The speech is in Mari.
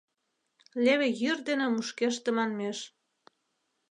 Леве йӱр дене мушкеш тыманмеш.